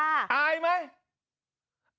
อายไหม